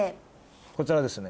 こちらですね